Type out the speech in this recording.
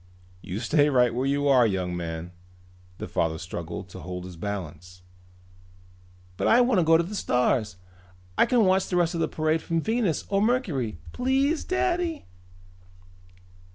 "You stay right where you are, young man," the father struggled to hold his balance. "But I wanna go to the stars. I can watch the rest of the parade from Venus or Mercury! Please, Daddy!"